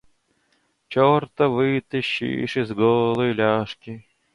Черта вытащишь из голой ляжки.